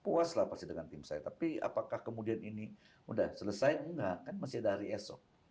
puas lah pasti dengan tim saya tapi apakah kemudian ini udah selesai enggak kan masih ada hari esok